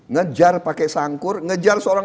ngejar pakai sangkur ngejar seorang